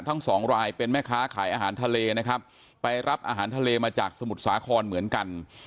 ทั้งสองรายเป็นแม่ค้าขายอาหารทะเลนะครับไปรับอาหารทะเลมาจากสมุทรสาครเหมือนกัน